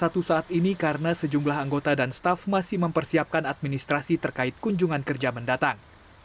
saat ini karena sejumlah anggota dan staf masih mempersiapkan administrasi terkait kunjungan kerja mendatang